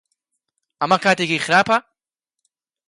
ئەمە کاتێکی خراپە؟